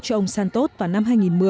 cho ông santos vào năm hai nghìn một mươi